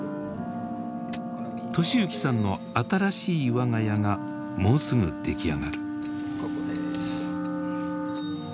利幸さんの新しい我が家がもうすぐ出来上がる。